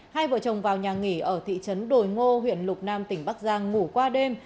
hai vợ chồng vào nhà nghỉ ở thị trấn đồi ngô huyện lục nam tỉnh bắc giang ngủ qua đêm